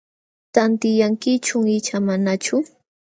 ¿Tantiyankichum icha manachu?